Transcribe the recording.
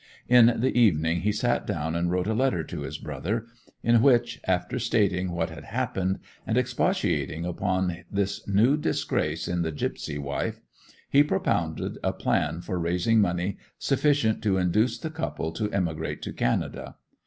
In the evening he sat down and wrote a letter to his brother, in which, after stating what had happened, and expatiating upon this new disgrace in the gipsy wife, he propounded a plan for raising money sufficient to induce the couple to emigrate to Canada.